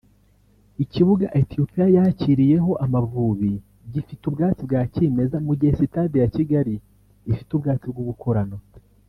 Ikibuga Ethiopia yakiririyeho Amavubi gifite ubwatsi bwa kimeza mu gihe sitade ya Kigali ifite ubwatsi bw’ubukorano